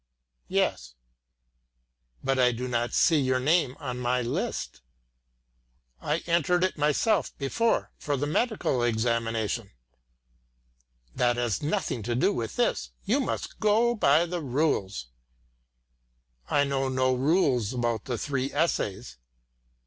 "Yes." "But I do not see your name on my list." "I entered myself before for the medical examination." "That has nothing to do with this. You must go by the rules." "I know no rules about the three essays."